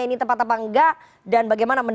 ini tepat apa enggak dan bagaimana